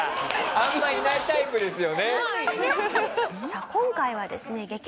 さあ今回はですね激